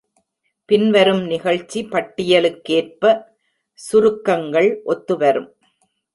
பின்வரும் நிகழ்ச்சி பட்டியலுக்கேற்ப சுருக்கங்கள் ஒத்துவரும்.